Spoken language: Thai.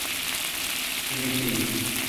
ซีดีซี